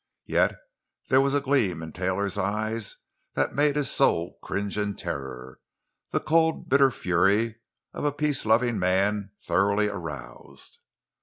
And yet there was a gleam in Taylor's eyes that made his soul cringe in terror—the cold, bitter fury of a peaceloving man thoroughly aroused.